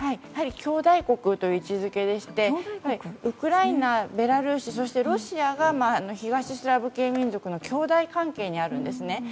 やはり兄弟国という位置づけでしてウクライナ、ベラルーシそしてロシアが東スラブ系民族のきょうだい関係にあるんですね。